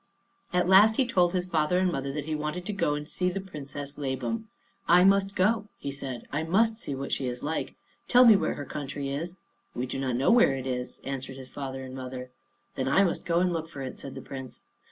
At last he told his father and mother that he wanted to go and see the Princess Labam. "I must go," he said; "I must see what she is like. Tell me where her country is." "We do not know where it is," answered his father and mother. "Then I must go and look for it," said the Prince.